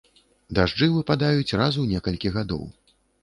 Дажджы выпадаюць раз у некалькі гадоў.